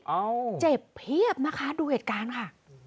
อ้าวเจ็บเผียบมาคะดูเหตุการณ์ค่ะ